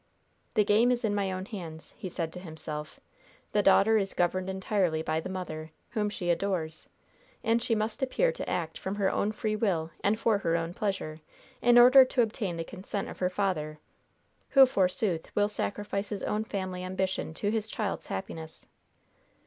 "The game is in my own hands," he said to himself. "The daughter is governed entirely by the mother, whom she adores. And she must appear to act from her own free will and for her own pleasure, in order to obtain the consent of her father, who, forsooth, will sacrifice his own family ambition to his child's happiness.